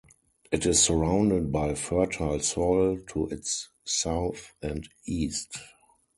It is surrounded by fertile soil to its south and east.